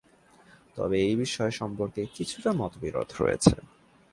তবে এই বিষয় সম্পর্কে কিছুটা মতবিরোধ রয়েছে।